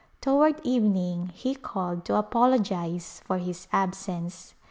Toward evening he called to apologize for his absence.